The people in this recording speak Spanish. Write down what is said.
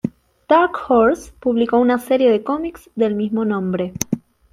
Dark Horse publicó una serie de cómics del mismo nombre.